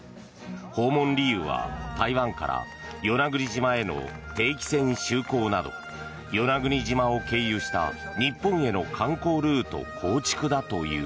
訪問理由は台湾から与那国島への定期線就航など与那国島を経由した日本への観光ルート構築だという。